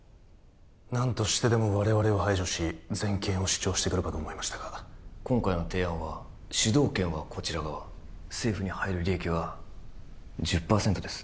何としてでも我々を排除し全権を主張してくるかと思いましたが今回の提案は主導権はこちら側政府に入る利益は１０％です